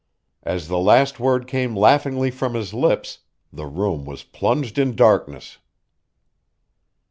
As the last word came laughingly from his lips the room was plunged in darkness.